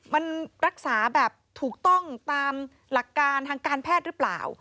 มันรักษาแบบถูกต้องตามหลักการทางการแพทย์หรือเปล่า